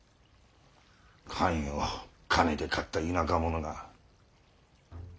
官位を金で買った田舎者が。